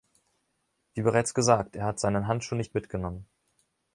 Wie bereits gesagt, er hat seinen Handschuh nicht mitgenommen.